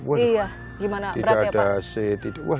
waduh tidak ada aset